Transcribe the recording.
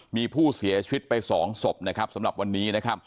มีผู้เสียชีวิตไปสองศพสำหรับวันนี้